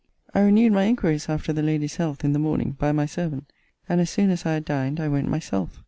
I renewed my inquiries after the lady's health, in the morning, by my servant: and, as soon as I had dined, I went myself.